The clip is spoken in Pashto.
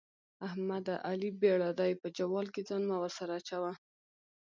احمده؛ علي بېړا دی - په جوال کې ځان مه ورسره اچوه.